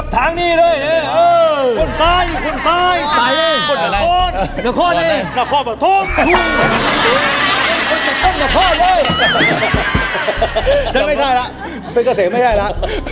ฉันไม่ใช่แหละเฟสเกษตร์ไม่ใช่แหละ